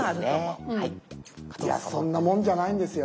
いやそんなもんじゃないんですよ